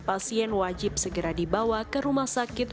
pasien wajib segera dibawa ke rumah sakit